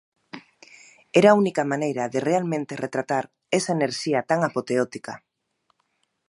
Era a única maneira de realmente retratar esa enerxía tan apoteótica.